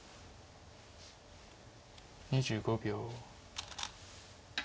２５秒。